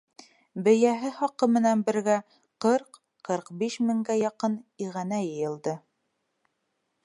Бейәһе хаҡы менән бергә ҡырҡ-ҡырҡ биш меңгә яҡын иғәнә йыйылды.